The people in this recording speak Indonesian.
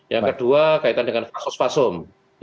yang kedua kaitan dengan fasos fasom